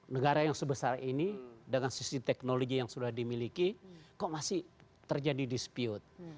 negara yang sebesar ini dengan sisi teknologi yang sudah dimiliki kok masih terjadi dispute